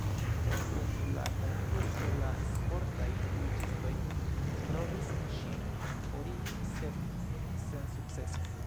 Dum la konkurso, la sportaj juĝistoj provis ŝin forigi, sed sensukcese.